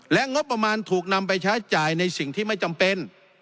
และงบประมาณถูกนำไปใช้จ่ายในสิ่งที่ไม่จำเป็น